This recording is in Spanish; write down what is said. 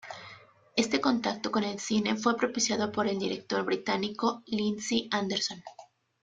Este contacto con el cine fue propiciado por el director británico Lindsay Anderson.